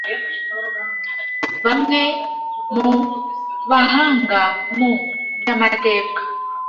Bamwe mu bahanga mu byamateka